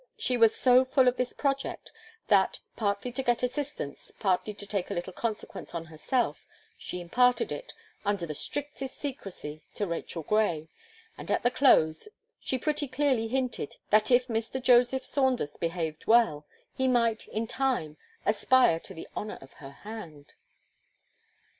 She was so full of this project, that, partly to get assistance, partly to take a little consequence on herself, she imparted it, under the strictest secrecy, to Rachel Gray; and at the close, she pretty clearly hinted, that if Mr. Joseph Saunders behaved well, he might, in time, aspire to the honour of her hand.